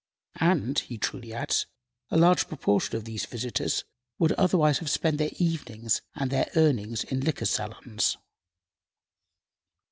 "And," he truly adds, "a large proportion of these visitors would otherwise have spent their evenings and their earnings in liquor saloons."